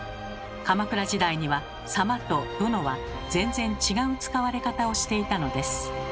鎌倉時代には「様」と「殿」は全然違う使われ方をしていたのです。